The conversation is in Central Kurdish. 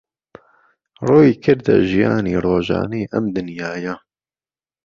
ڕوویکردە ژیانی ڕۆژانەی ئەم دنیایە